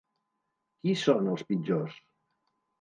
Qui són, els pitjors?